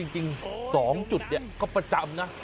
จริง๒จุดเนี่ยก็ประจำนะ